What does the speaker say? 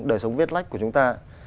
đời sống viết lách của chúng ta